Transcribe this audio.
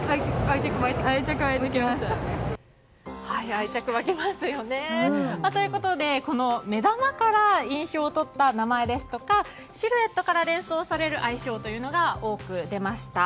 愛着、湧きますよね。ということで、目玉から印象をとった名前ですとかシルエットから連想される愛称というのが多く出ました。